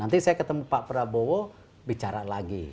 nanti saya ketemu pak prabowo bicara lagi